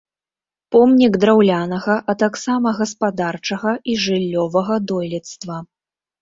Помнік драўлянага, а таксама гаспадарчага і жыллёвага дойлідства.